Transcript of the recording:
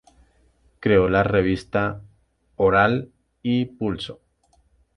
Creó las revistas "Oral" y "Pulso".